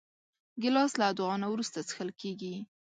ګیلاس له دعا نه وروسته څښل کېږي.